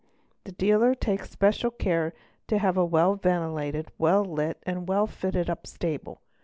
The dealer akes special care to have a well ventilated, well lit, and well fitted up table.